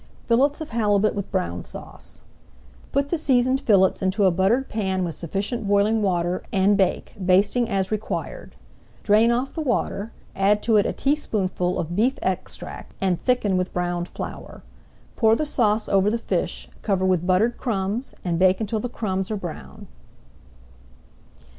[Page 188] FILLETS OF HALIBUT WITH BROWN SAUCE Put the seasoned fillets into a buttered pan with sufficient boiling water, and bake, basting as required. Drain off the water, add to it a teaspoonful of beef extract, and thicken with browned flour. Pour the sauce over the fish, cover with buttered crumbs, and bake until the crumbs are brown.